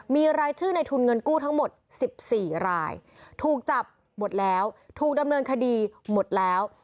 มีรายชื่อในทุนเงินกู้ทั้งหมด๑๔รายถูกจับหมดแล้วถูกดำเนินคดีหมดแล้ว